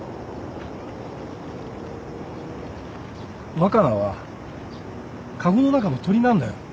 若菜は籠の中の鳥なんだよ。